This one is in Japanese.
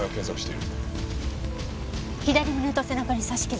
左胸と背中に刺し傷。